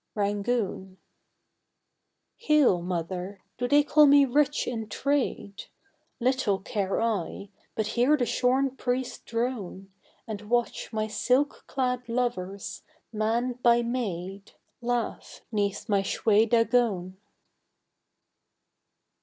Rangoon. Hail, Mother! Do they call me rich in trade? Little care I, but hear the shorn priest drone, And watch my silk clad lovers, man by maid, Laugh 'neath my Shwe Dagon.